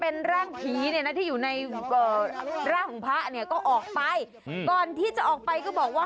โอ้ยกูเจ็บ